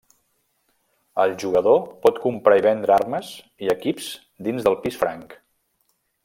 El jugador pot comprar i vendre armes i equips dins del pis franc.